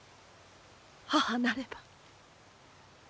母なれば。